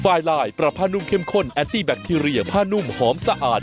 ไลน์ปรับผ้านุ่มเข้มข้นแอนตี้แบคทีเรียผ้านุ่มหอมสะอาด